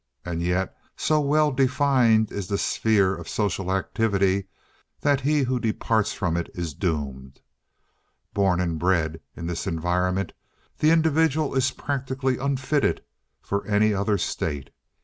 And yet so well defined is the sphere of social activity that he who departs from it is doomed. Born and bred in this environment, the individual is practically unfitted for any other state.